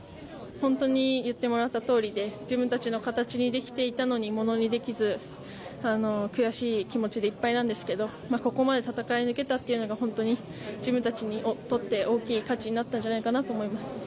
本当に言ってもらったとおりで、自分たちの形にできていたのにものにできず、悔しい気持ちでいっぱいなんですけれども、ここまで戦い抜けたっていうのが自分たちにとって大きい価値になったんじゃないかなと思います。